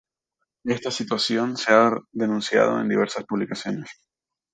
Esta situación se ha denunciado en diversas publicaciones.